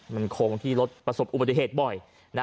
มันคงที่รถประสบอุบัติเหตุบ่อย